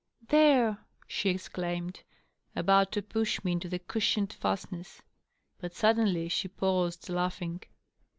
" There I" she exclaimed, about to push me into the cushioned &stness« But suddenly she paused, laughing.